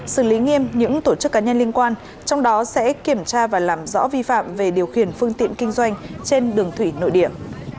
xử lý nghiêm những tổ chức cá nhân liên quan trong đó sẽ kiểm tra và làm rõ vi phạm về điều khiển phương tiện kinh doanh trên đường thủy nội địa